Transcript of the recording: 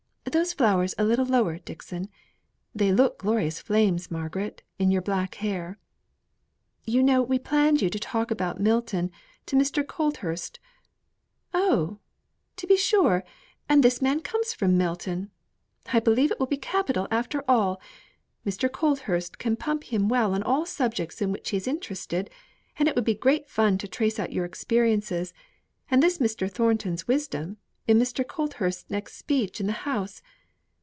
(Those flowers a little lower, Dixon. They look glorious flames, Margaret, in your black hair.) You know we planned you to talk about Milton to Mr. Colthurst. Oh! to be sure! and this man comes from Milton. I believe it will be capital, after all. Mr. Colthurst can pump him well on all the subjects in which he is interested, and it will be great fun to trace out your experiences, and this Mr. Thornton's wisdom, in Mr. Colthurst's next speech in the House.